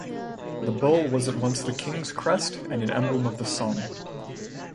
The bull was at once the king's crest and an emblem of the sun.